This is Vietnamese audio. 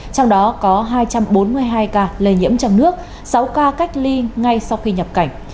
trong đó có hai trăm bốn mươi hai ca lây nhiễm trong nước sáu ca cách ly ngay sau khi nhập cảnh